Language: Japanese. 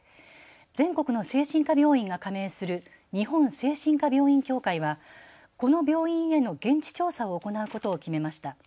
全国の精神科病院が加盟する日本精神科病院協会はこの病院への現地調査を行うことを決めました。